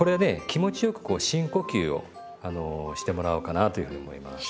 気持ちよくこう深呼吸をしてもらおうかなというふうに思います。